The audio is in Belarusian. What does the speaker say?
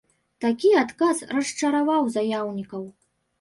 Такі адказ расчараваў заяўнікаў.